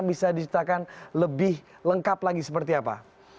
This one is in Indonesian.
bisa diceritakan lebih lengkap lagi seperti apa